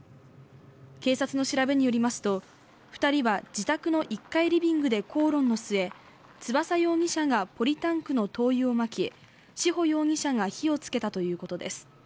警察の調べによりますと２人は自宅の１階リビングで口論の末、翼容疑者がポリタンクの灯油をまき、志保容疑者が火をつけたということです。